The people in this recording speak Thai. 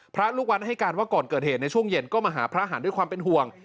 พระลูกวัดให้การว่าก่อนเกิดเหตุในช่วงเย็นก็มาหาพระหันด้วยความเป็นห่วง